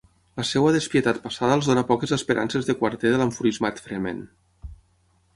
La seva despietat passada els dóna poques esperances de quarter de l'enfurismat Fremen.